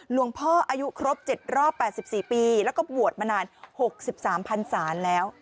หลวงพ่ออายุครบ๗รอบ๘๔ปีแล้วก็บวชมานาน๖๓พันศาแล้ว